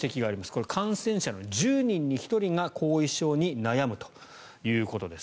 これ、感染者の１０人に１人が後遺症に悩むということです。